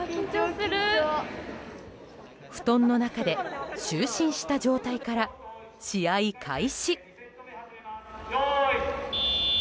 布団の中で就寝した状態から試合開始。